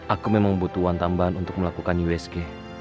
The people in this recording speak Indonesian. aku memang butuhan tambahan untuk melakukan usg